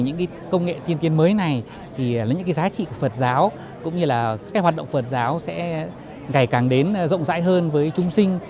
những công nghệ tiên tiến mới này thì những giá trị phật giáo cũng như hoạt động phật giáo sẽ ngày càng đến rộng rãi hơn với chúng sinh